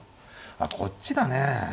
あっこっちだね。